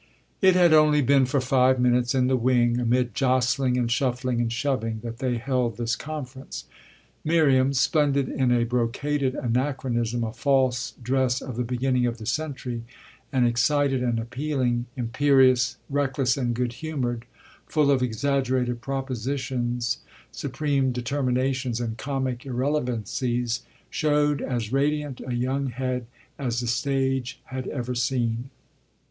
It had only been for five minutes, in the wing, amid jostling and shuffling and shoving, that they held this conference. Miriam, splendid in a brocaded anachronism, a false dress of the beginning of the century, and excited and appealing, imperious, reckless and good humoured, full of exaggerated propositions, supreme determinations and comic irrelevancies, showed as radiant a young head as the stage had ever seen.